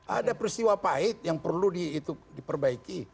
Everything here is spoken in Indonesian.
ada peristiwa pahit yang perlu diperbaiki